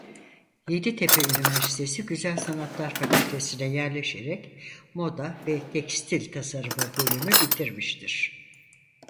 Yeditepe Üniversitesi Güzel Sanatlar Fakültesi'ne yerleşerek Moda ve Tekstil Tasarımı bölümü bitirmiştir.